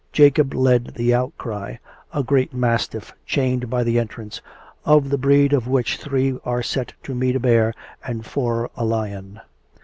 Jacob led the outcry, a great mastiff, chained by the entrance, of the breed of which three are set to meet a bear and four a lion.